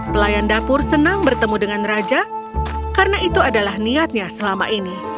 pelayan dapur senang bertemu dengan raja karena itu adalah niatnya selama ini